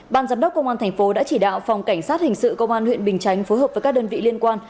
ban giám đốc công an thành phố đã chỉ đạo phòng cảnh sát hình sự công an huyện bình chánh phối hợp với các đơn vị liên quan